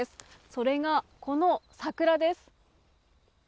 それが、この桜です。